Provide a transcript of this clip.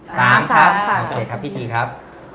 สามครับโอเคครับพิธีครับ